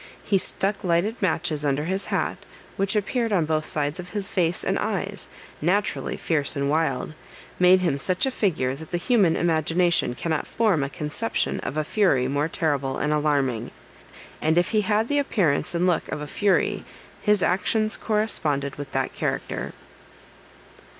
He stuck lighted matches under his hat, which appeared on both sides of his face and eyes, naturally fierce and wild, made him such a figure that the human imagination cannot form a conception of a fury more terrible and alarming; and if he had the appearance and look of a fury, his actions corresponded with that character.